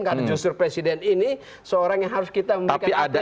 karena justru presiden ini seorang yang harus kita memberikan intensiasi